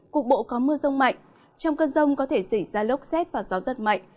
cục bộ có mưa rông mạnh trong cơn rông có thể xảy ra lốc xét và gió rất mạnh